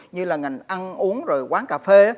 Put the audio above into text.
như là ngành ăn uống rồi quán cà phê